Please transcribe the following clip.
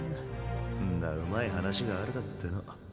んなうまい話があるかっての。